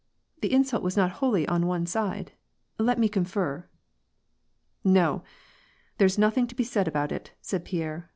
The insult was not wholly on one side. Let me confer." "No! there's nothing to be said about it," said Pierre.